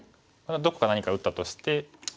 どこか何か打ったとして。